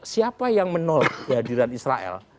siapa yang menolak kehadiran israel